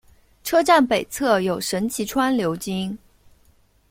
车站北侧有神崎川流经。